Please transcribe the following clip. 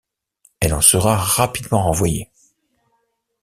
Elle en sera rapidement renvoyée.